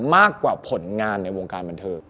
มากกว่าผลงานในวงการบันเทิง